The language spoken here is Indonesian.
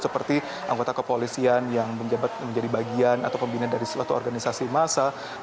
seperti anggota kepolisian yang menjabat menjadi bagian atau pembina dari suatu organisasi massa